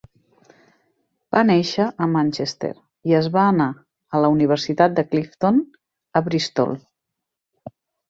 Va néixer a Manchester i es va anar a la universitat de Clifton, a Bristol.